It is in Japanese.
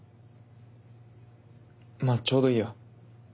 まあちょうどいいや。